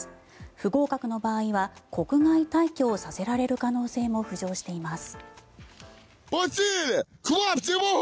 不合格の場合は国外退去をさせられる可能性も浮上しています。